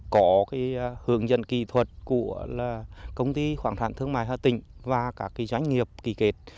có hướng dẫn kỹ thuật của công ty khoảng trạng thương mại hạ tỉnh và các doanh nghiệp kỳ kệt